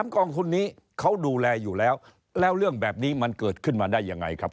กองทุนนี้เขาดูแลอยู่แล้วแล้วเรื่องแบบนี้มันเกิดขึ้นมาได้ยังไงครับ